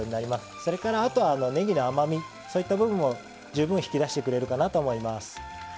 それから、あとはねぎの甘みそういったところも十分引き出してくれるかなと思います。